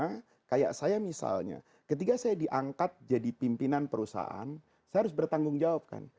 karena kayak saya misalnya ketika saya diangkat jadi pimpinan perusahaan saya harus bertanggung jawab kan